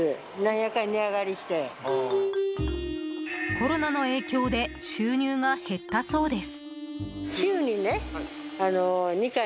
コロナの影響で収入が減ったそうです。